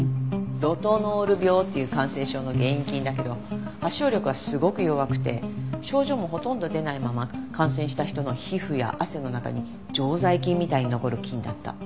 ロトノール病っていう感染症の原因菌だけど発症力はすごく弱くて症状もほとんど出ないまま感染した人の皮膚や汗の中に常在菌みたいに残る菌だった。